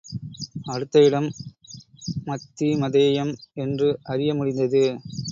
அடுத்த இடம் மத்திமதேயம் என்று அறிய முடிந்தது.